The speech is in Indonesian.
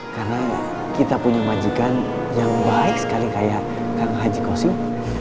karena kita punya majikan yang baik sekali kayak kang haji kosing